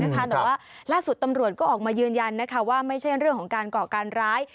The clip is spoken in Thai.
แต่ว่าล่าสุดตำรวจก็ออกมายืนยันว่าไม่ใช่เรื่องของการก่อการร้าย